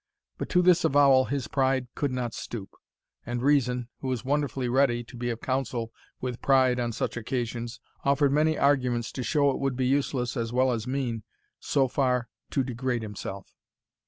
But to this avowal his pride could not stoop, and reason, who is wonderfully ready to be of counsel with pride on such occasions, offered many arguments to show it would be useless as well as mean so far to degrade himself.